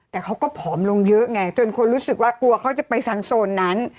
แต่เขาก็ผอมลงเยอะไงจนคนรู้สึกว่ากลัวเขาจะไปซันโซนนั้น